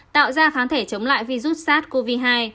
tạo ra kháng thể chống lại virus sars cov hai